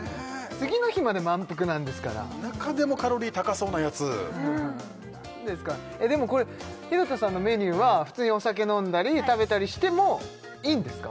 次の日まで満腹なんですから中でもカロリー高そうなやつうんなんですかでもこれ廣田さんのメニューは普通にお酒飲んだり食べたりしてもいいんですか？